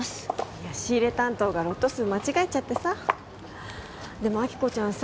いや仕入れ担当がロット数間違えちゃってさでも亜希子ちゃんさ